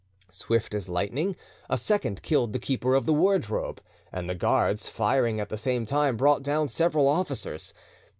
Swift as lightning, a second killed the keeper of the wardrobe, and the guards, firing at the same time, brought down several officers.